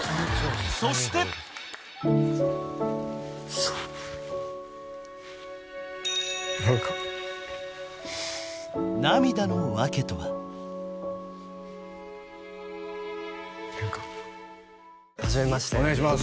そしてそうですね何か涙の訳とは何かはじめましてお願いします